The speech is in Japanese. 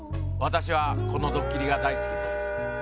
私はこのドッキリが大好きです